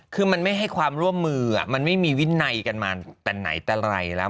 คือมันไม่ให้ความร่วมมือมันไม่มีวินัยกันมาแต่ไหนแต่ไรแล้ว